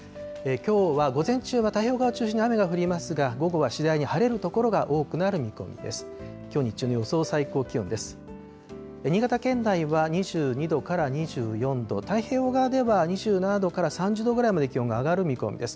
きょうは午前中は太平洋側を中心に雨が降りますが、午後は次第に晴れる所が多くなる見通しです。